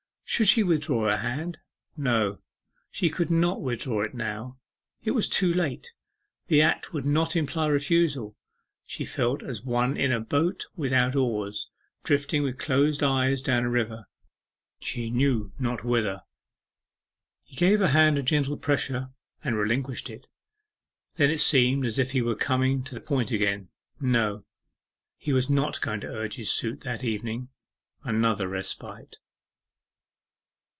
Should she withdraw her hand? No, she could not withdraw it now; it was too late, the act would not imply refusal. She felt as one in a boat without oars, drifting with closed eyes down a river she knew not whither. He gave her hand a gentle pressure, and relinquished it. Then it seemed as if he were coming to the point again. No, he was not going to urge his suit that evening. Another respite.